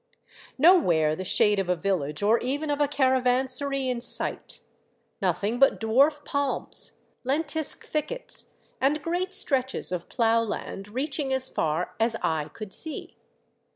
No where the shade of a village or even of a caravan sary in sight. Nothing but dwarf palms, lentisk thickets, and great stretches of plough land reaching as far as eye could see.